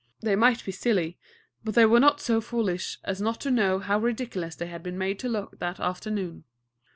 They might be silly, but they were not so foolish as not to know how ridiculous they had been made to look that afternoon.